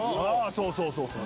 そうそうそうそう。